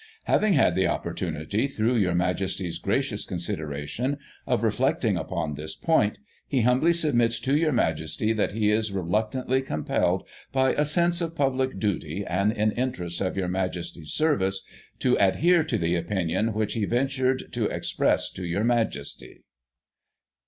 " Having had the opportunity, through your Majest/s gracious consideration, of reflecting upon this point, he humbly submits to your Majesty that he is reluctantly compelled, by a sense of public duty, and in interest of your Majesty's service, to adhere to the opinion which he ventured to express to your Majesty."